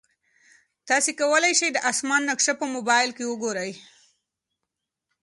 تاسي کولای شئ د اسمان نقشه په موبایل کې وګورئ.